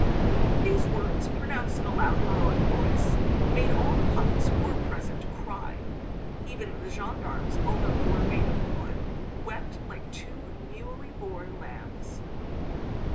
These words, pronounced in a loud heroic voice, made all the puppets who were present cry. Even the gendarmes, although they were made of wood, wept like two newly born lambs.